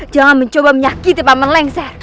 jangan mencoba menyakiti paman lengser